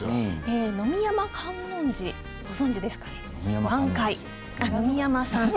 呑山観音寺、ご存じですか？